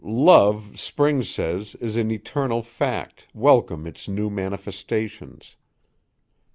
Love, spring says, is an eternal fact, welcome its new manifestations.